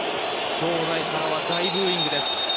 場内からは大ブーイングです。